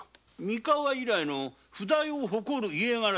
三河以来の譜代を誇る家柄で。